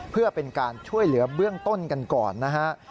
เพื่อเป็นการช่วยเหลือเบื้องต้นกันก่อนนะฮะ